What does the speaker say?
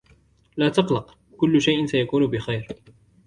لا تقلق, كل شئ سيكون بخير.